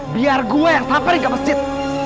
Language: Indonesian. biar gue yang sampai ke masjid